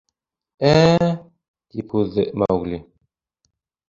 — Ә-ә? — тип һуҙҙы Маугли.